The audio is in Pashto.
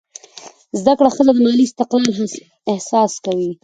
زده کړه ښځه د مالي استقلال احساس کوي.